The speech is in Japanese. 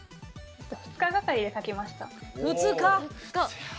２日がかりで描きました。